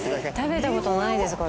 食べたことないですこれ。